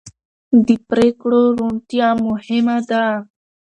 د پرېکړو روڼتیا مهمه ده